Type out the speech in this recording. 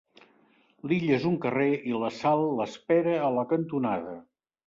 L'illa és un carrer i la Sal l'espera a la cantonada.